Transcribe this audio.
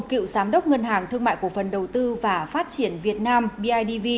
cựu giám đốc ngân hàng thương mại cổ phần đầu tư và phát triển việt nam bidv